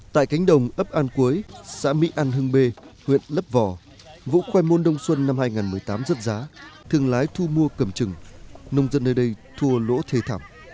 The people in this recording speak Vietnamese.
tại cánh đồng ấp an quế xã mỹ an hưng bê huyện lấp vò vụ khoai môn đông xuân năm hai nghìn một mươi tám rất giá thương lái thu mua cầm trừng nông dân nơi đây thua lỗ thề thẳm